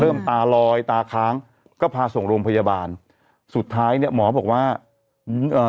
ตาลอยตาค้างก็พาส่งโรงพยาบาลสุดท้ายเนี้ยหมอบอกว่าเอ่อ